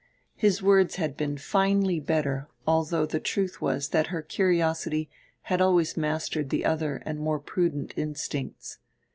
His words had been "finely better" although the truth was that her curiosity had always mastered the other and more prudent instincts.